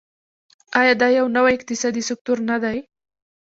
آیا دا یو نوی اقتصادي سکتور نه دی؟